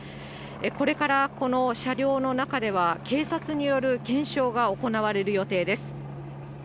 これからこの車両の中では、警察による検証が行われる予定です。